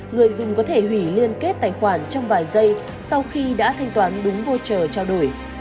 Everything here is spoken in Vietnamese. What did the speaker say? người dùng có thể hủy liên kết tài khoản trong vài giây sau khi đã thanh toán đúng voucher trao đổi